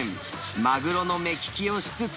マグロの目利きをしつつ、